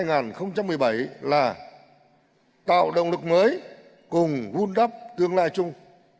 việt nam đề nghị chủ đề của năm apec hai nghìn một mươi bảy là tạo động lực mới cùng vun đắp tương lai chung